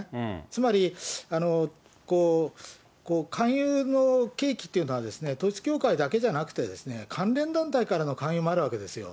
つまり勧誘の契機というのは、統一教会だけじゃなくて、関連団体からの勧誘もあるわけですよ。